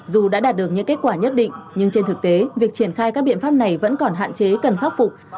dù đã đạt được những kết quả nhất định nhưng trên thực tế việc triển khai các biện pháp này vẫn còn hạn chế cần khắc phục